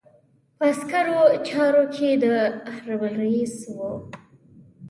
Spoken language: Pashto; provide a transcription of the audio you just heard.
په عسکري چارو کې د حرب رئیس وو.